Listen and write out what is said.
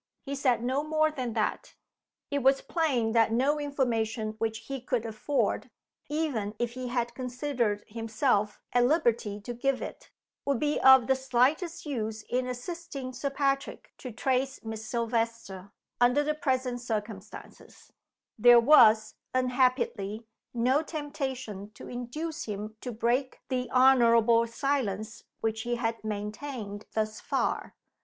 He said no more than that. It was plain that no information which he could afford even if he had considered himself at liberty to give it would be of the slightest use in assisting Sir Patrick to trace Miss Silvester, under present circumstances, There was unhappily no temptation to induce him to break the honorable silence which he had maintained thus far.